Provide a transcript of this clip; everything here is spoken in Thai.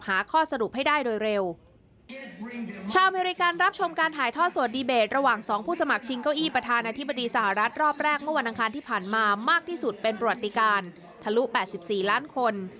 ข้อสรุปให้ได้โดยเร็วชาวอเมริกันรับชมการถ่ายท่อสดดีเบตระหว่างสองผู้สมัครชิงเก้าอี้ประธานาธิบดีสหรัฐรอบแรกเมื่อวันอังคารที่ผ่านมามากที่สุดเป็นประวัติการทะลุ๘๔ล้านคน